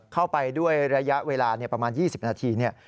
เข้าไปด้วยระยะเวลาประมาณ๒๐นาที